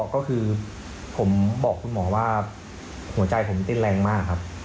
ก็คือผมบอกคุณหมอว่าหัวใจผมเต้นแรงมากครับ